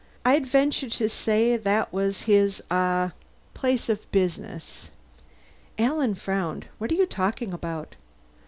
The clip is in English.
I'd venture to say that was his ah place of business." Alan frowned. "What are you talking about?"